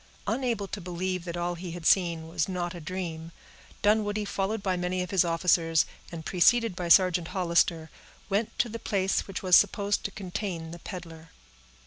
Unable to believe that all he had seen was not a dream, Dunwoodie, followed by many of his officers, and preceded by Sergeant Hollister, went to the place which was supposed to contain the peddler.